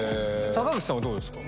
坂口さんはどうですか？